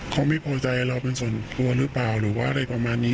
เขาไม่พอใจเราเป็นส่วนตัวหรือเปล่าหรือว่าอะไรประมาณนี้